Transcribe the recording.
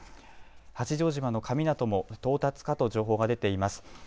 八丈島の神湊も到達かと情報が出ています。